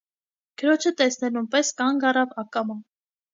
Քրոջը տեսնելուն պես կանգ առավ ակամա: